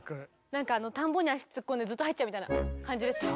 なんか田んぼに足突っ込んでずっと入っちゃうみたいな感じですか？